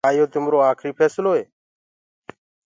ڪآ يو تمرو آکري ڦيسلو تو۔